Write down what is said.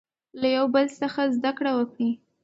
له یو بل څخه زده کړه وکړئ.